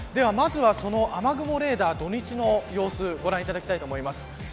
まずは、その雨雲レーダー土日の様子ご覧いただきたいと思います。